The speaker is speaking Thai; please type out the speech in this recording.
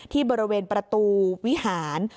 ที่บริเวณประตูวิหาร